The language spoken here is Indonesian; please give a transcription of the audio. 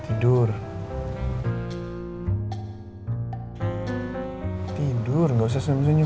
ini untukmu ya